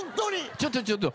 ちょっとちょっと。